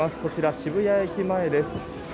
こちら、渋谷駅前です。